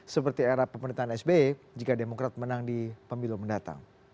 seperti era pemerintahan sby jika demokrat menang di pemilu mendatang